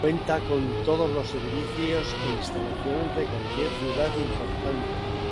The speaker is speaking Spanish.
Cuenta con todos los servicios e instalaciones de cualquier ciudad importante.